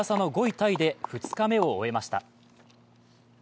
タイで２日目を終えました。